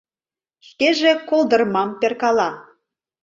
Шкеже колдырмам перкала...